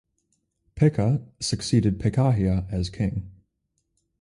Pekah succeeded Pekahiah as king.